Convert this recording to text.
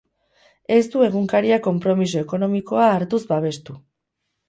Ez du egunkaria konpromiso ekonomikoa hartuz babestu.